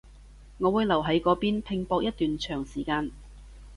我會留喺嗰邊拼搏一段長時間